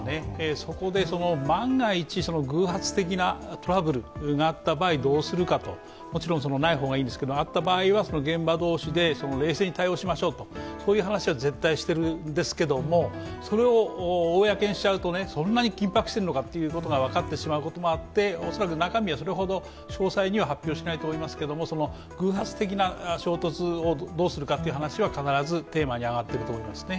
そこで万が一、偶発的なトラブルがあった場合どうするかと、もちろんない方がいいんですがあった場合は現場同士で冷静に対応しましょうという話は絶対しているんですけれども、それを公にしちゃうと、そんなに緊迫してるのかというのが分かってしまうことがあって恐らく中身はそれほど詳細には発表しないと思いますが偶発的な衝突をどうするかという話は必ずテーマに挙がっていると思いますね。